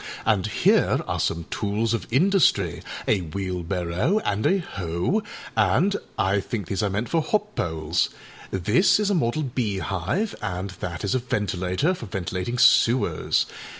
And here are some tools of industry, a wheelbarrow and a hoe, and I think these are meant for hop poles. This is a model beehive, and that is a ventilator, for ventilating sewers.